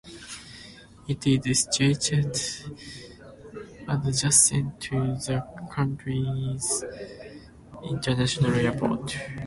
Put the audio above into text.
It is situated adjacent to the country's international airport.